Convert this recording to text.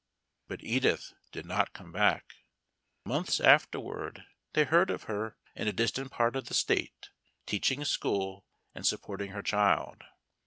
But Edith did not come back. Months afterward they heard of her in a distant part of the State teaching school and supporting her child.